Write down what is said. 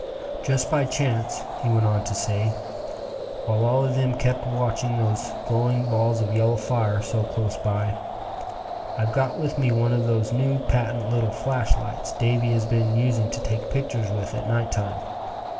"Just by chance," he went on to say, while all of them kept watching those glowing balls of yellow fire so close by, "I've got with me one of those new patent little flashlights Davy has been using to take pictures with at night time.